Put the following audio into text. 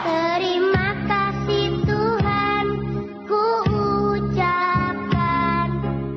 terima kasih tuhan ku ucapkan